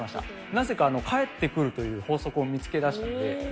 なぜか、返ってくるという法則を見つけ出したんで。